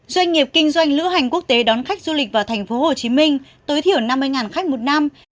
doanh nghiệp kinh doanh lữ hành quốc tế đón khách du lịch vào tp hcm tối thiểu năm mươi khách một năm